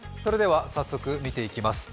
早速、見ていきます。